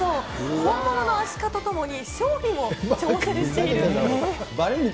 本物のアシカと共にショーにも挑戦しているんです。